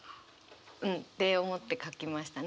うん。って思って書きましたね。